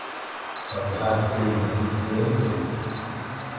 ڪآ جھآجِ تيل ٻتي پيٚريهرو تو